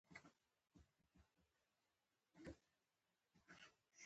حشرې لکه مچۍ مېږیان او چینجیان غیر فقاریه دي